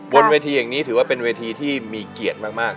บนเวทีอย่างนี้ถือว่าเป็นเวทีที่มีเกียรติมาก